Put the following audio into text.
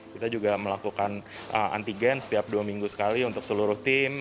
kita juga melakukan antigen setiap dua minggu sekali untuk seluruh tim